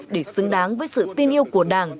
để xứng đáng với sự tin yêu của đảng